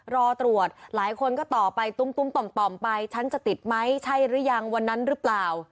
รอตรวจหลายคนก็ต่อไปตุ้มต่อมไปฉันจะติดไหมใช่หรือยังวันนั้นหรือเปล่า